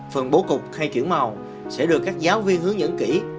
phần bố cục hay kiểu màu sẽ được các giáo viên hướng dẫn kỹ